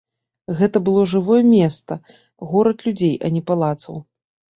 Гэта было жывое места, горад людзей, а не палацаў.